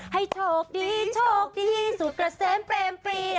ให้โชคดีโชคดีสุขระเสมเป็นปรี